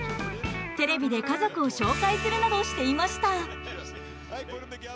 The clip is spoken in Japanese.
テレビで家族を紹介するなどしていました。